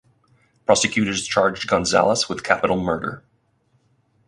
Prosecutors charged Gonzales with capital murder.